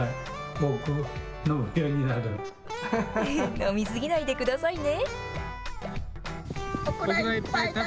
飲み過ぎないでくださいね。